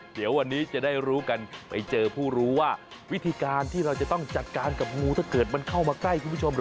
เดี๋ยววันนี้จะได้รู้กันไปเจอผู้รู้ว่าวิธีการที่เราจะต้องจัดการกับงูถ้าเกิดมันเข้ามาใกล้คุณผู้ชมเหรอ